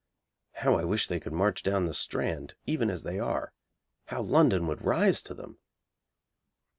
How I wish they could march down the Strand even as they are. How London would rise to them!